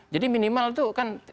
jadi minimal itu kan